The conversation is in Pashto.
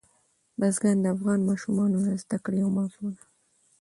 بزګان د افغان ماشومانو د زده کړې یوه موضوع ده.